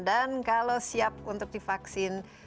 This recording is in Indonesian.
dan kalau siap untuk divaksin